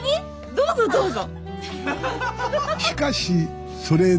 どうぞどうぞ。